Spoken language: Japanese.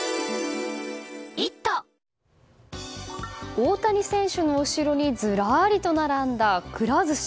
大谷選手の後ろにずらりと並んだくら寿司。